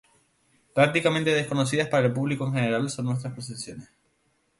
Prácticamente desconocidas para el público en general son nuestras procesiones.